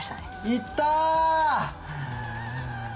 いった！